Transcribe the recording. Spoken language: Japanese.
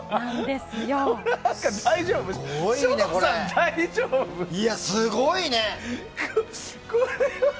すごいね。